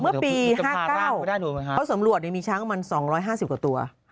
เพราะปี๕๙เพราะสำรวจไว้มีช้างประมาณ๒๕๐กว่าตัว